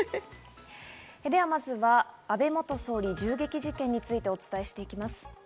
まずは安倍元総理銃撃事件についてお伝えします。